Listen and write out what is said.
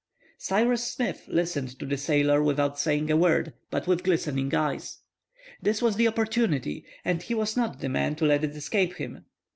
Cyrus Smith listened to the sailor without saying a word, but with glistening eyes. This was the opportunity, and he was not the man to let it escape him.